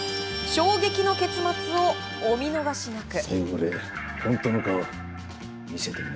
衝撃の結末をお見逃しなく。